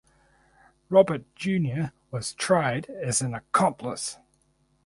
Robert Jnr was tried as an accomplice.